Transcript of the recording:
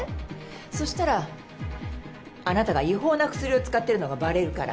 そしたらあなたが違法な薬を使ってるのがバレるから。